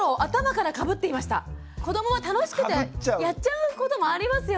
子どもは楽しくてやっちゃうこともありますよね。